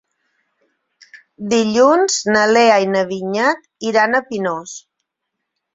Dilluns na Lea i na Vinyet iran a Pinós.